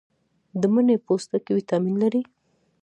د مڼې پوستکي ویټامین لري.